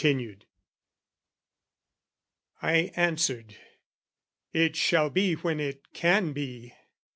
I ask." I answered, "It shall be when it can be.